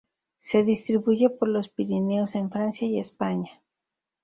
Se distribuye por los Pirineos en Francia y España.